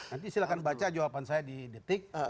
nanti silahkan baca jawaban saya di detik